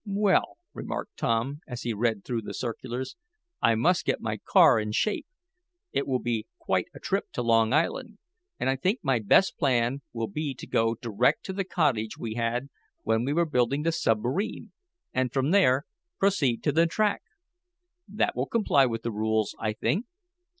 "Well," remarked Tom, as he read through the circulars, "I must get my car in shape. It will be quite a trip to Long Island, and I think my best plan will be to go direct to the cottage we had when we were building the submarine, and from there proceed to the track. That will comply with the rules, I think.